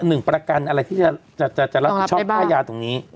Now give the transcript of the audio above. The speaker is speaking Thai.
หนึ่งประกันอะไรที่จะรับผิดชอบค่ายาตรงนี้